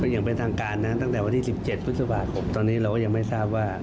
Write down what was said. อย่างเป็นทางการนะตั้งแต่วันที่๑๗พฤษภาคมตอนนี้เราก็ยังไม่ทราบว่า